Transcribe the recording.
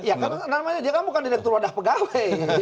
ya namanya dia bukan direktur wadah pegawai